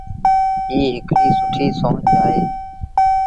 ايٚ هڪڙيٚ سُٺيٚ سونچ اهي۔